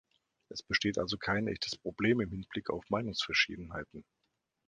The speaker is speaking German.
Es besteht also kein echtes Problem im Hinblick auf Meinungsverschiedenheiten.